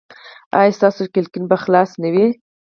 ایا ستاسو کړکۍ به خلاصه نه وي؟